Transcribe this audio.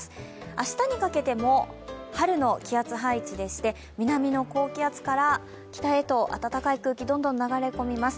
明日にかけても、春の気圧配置でして南の高気圧から北へと暖かい空気、どんどん流れ込みます。